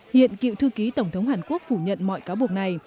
hiện cựu thư ký tổng thống hàn quốc phủ nhận mọi cáo buộc này